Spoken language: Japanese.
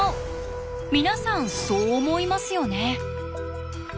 皆さんそう思いますよね？